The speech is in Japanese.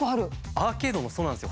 アーケードもそうなんですよ